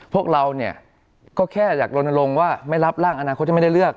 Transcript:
พวกเราเนี่ยก็แค่อยากลนลงว่าไม่รับร่างอนาคตที่ไม่ได้เลือก